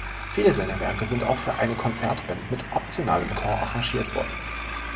Viele seiner Werke sind auch für eine Konzertband mit optionalem Chor arrangiert worden.